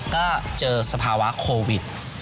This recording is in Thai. ก็เจอสภาวะโควิด